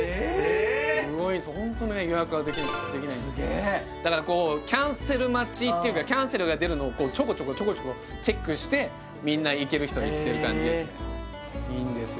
すごいホントに予約ができないんですよだからこうキャンセル待ちっていうかキャンセルが出るのをちょこちょこチェックしてみんな行ける人は行ってる感じですねいいんですよ